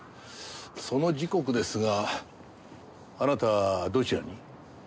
その時刻ですがあなたどちらに？